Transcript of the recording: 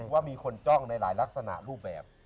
ว่ามีคนจ้องในหลายลักษณะรูปแบบ